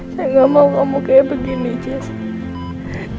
saya gak mau kamu kayak begini jess